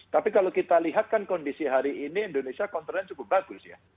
tapi kalau kita lihat kan kondisi hari ini indonesia kontrolnya cukup bagus ya